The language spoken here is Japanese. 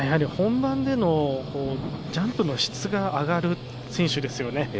本番でのジャンプの質が上がる選手ですよね。